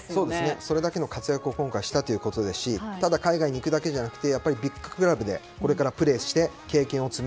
それだけの活躍を今回したということですしただ海外に行くだけじゃなくてビッグクラブでこれからプレーして経験を積む。